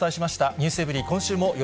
ｎｅｗｓｅｖｅｒｙ．今週もよ